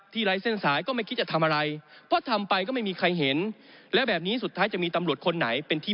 ที่ไร้เส้นสายก็ไม่คิดจะทำอะไร